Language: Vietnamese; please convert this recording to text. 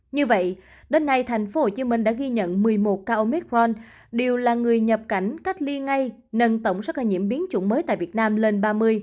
như vậy đến nay tp hcm đã ghi nhận một mươi một ca ông micron đều là người nhập cảnh cách ly ngay nâng tổng số ca nhiễm biến chủng mới tại việt nam lên ba mươi